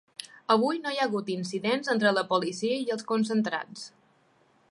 Avui no hi ha hagut incidents entre la policia i els concentrats.